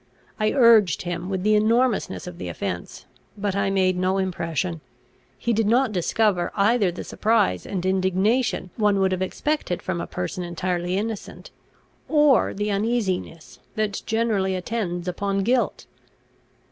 I urged him with the enormousness of the offence, but I made no impression. He did not discover either the surprise and indignation one would have expected from a person entirely innocent, or the uneasiness that generally attends upon guilt.